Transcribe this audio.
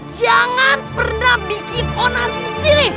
jangan pernah bikin onan disini